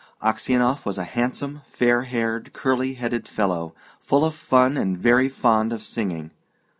Aksionov was a handsome, fair haired, curly headed fellow, full of fun, and very fond of singing.